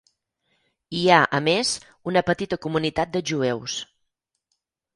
Hi ha, a més, una petita comunitat de jueus.